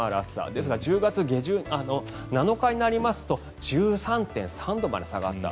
ですが、１０月７日になりますと１３．３度まで下がった。